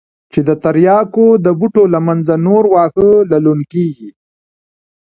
چې د ترياکو د بوټو له منځه نور واښه للون کېږي.